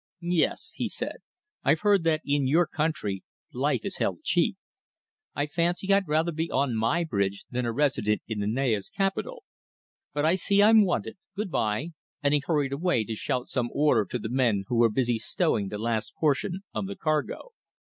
"Yes," he said. "I've heard that in your country life is held cheap. I fancy I'd rather be on my bridge than a resident in the Naya's capital. But I see I'm wanted. Good bye," and he hurried away to shout some order to the men who were busy stowing the last portion of the cargo.